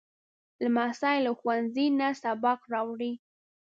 لمسی له ښوونځي نه سبق راوړي.